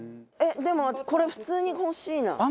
でもこれ普通に欲しいな。